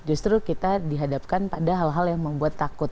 justru kita dihadapkan pada hal hal yang membuat takut